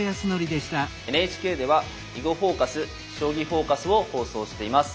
ＮＨＫでは「囲碁フォーカス」「将棋フォーカス」を放送しています。